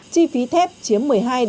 chi phí thép chiếm một mươi hai một mươi sáu